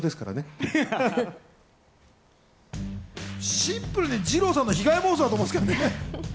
シンプルに二朗さんの被害妄想だと思うんですけどね。